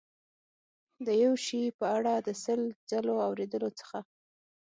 د یو شي په اړه د سل ځلو اورېدلو څخه.